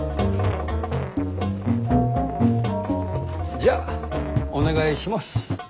じゃあお願いします。